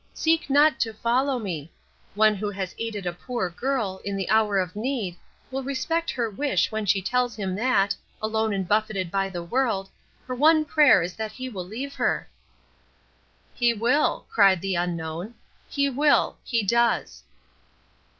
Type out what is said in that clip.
Seek not to follow me. One who has aided a poor girl in the hour of need will respect her wish when she tells him that, alone and buffeted by the world, her one prayer is that he will leave her." "He will!" cried the Unknown. "He will. He does."